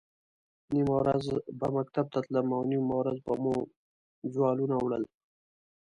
نیمه ورځ به مکتب ته تلم او نیمه ورځ به مې جوالونه وړل.